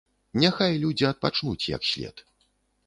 Няхай людзі адпачнуць, як след.